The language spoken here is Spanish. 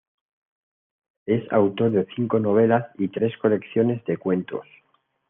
Es autor de cinco novelas y tres colecciones de cuentos.